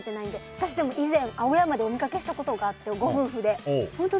私、以前青山でお見かけしたことがあってご夫婦で。